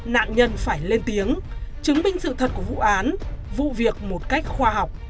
nạn nhân phải lên tiếng chứng minh sự thật của vụ án vụ việc một cách khoa học